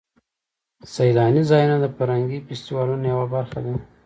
سیلاني ځایونه د فرهنګي فستیوالونو یوه برخه ده.